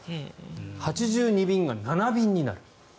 ８２便が７便になる。